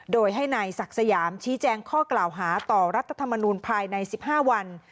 โดยให้นายศักดิ์สยามชี้แจงข้อกล่าวหาต่อรัฐธรรมนูลภายใน๑๕วัน